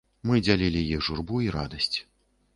Мы дзялілі іх журбу і радасць.